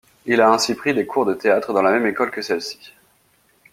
Il a ainsi pris des cours de théâtre dans la même école que celle-ci.